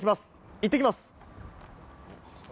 行ってきます！